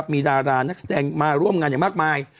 มีดารานักแสดงมาร่วมงานอย่างมากมาย